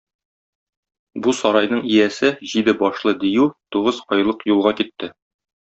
Бу сарайның иясе җиде башлы дию тугыз айлык юлга китте.